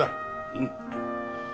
うん。